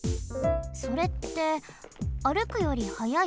それって歩くより速い？